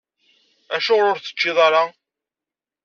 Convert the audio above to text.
Acuɣer ur teččiḍ ara?